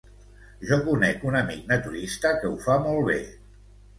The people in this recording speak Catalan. Jo conec un amic naturista que ho fa molt bé.